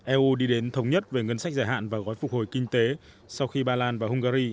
eu đi đến thống nhất về ngân sách dài hạn và gói phục hồi kinh tế sau khi ba lan và hungary